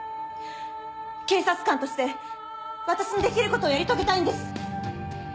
警察官として私にできることをやり遂げたいんです！